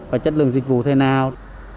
và chất lượng dịch vụ thế nào